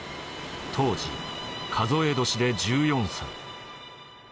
当時数え年で１４歳。